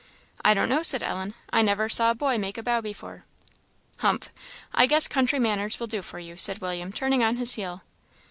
"I don't know," said Ellen; "I never saw a boy make a bow before." "Humph! I guess country manners will do for you," said William, turning on his heel.